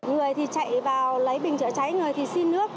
người thì chạy vào lấy bình chữa cháy người thì xin nước